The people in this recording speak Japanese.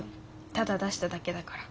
ただ出しただけだから。